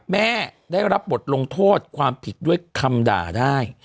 แม่ได้รับบทลงโทษความผิดด้วยคำด่าได้